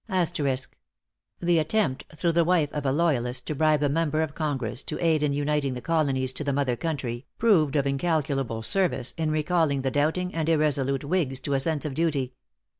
"The attempt through the wife of a loyalist to bribe a member of Congress to aid in uniting the Colonies to the mother country, proved of incalculable service in recalling the doubting and irresolute whigs to a sense of duty.